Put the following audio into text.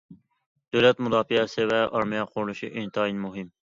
دۆلەت مۇداپىئەسى ۋە ئارمىيە قۇرۇلۇشى ئىنتايىن مۇھىم.